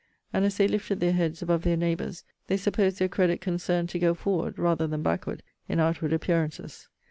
And as they lifted their heads above their neighbours, they supposed their credit concerned to go forward rather than backward in outward appearances.